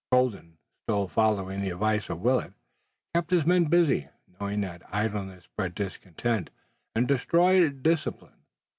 Colden, still following the advice of Willet, kept his men busy, knowing that idleness bred discontent and destroyed discipline.